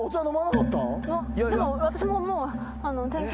でも私ももう点検。